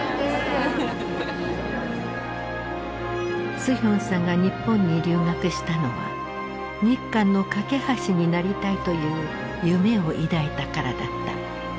スヒョンさんが日本に留学したのは日韓の懸け橋になりたいという夢を抱いたからだった。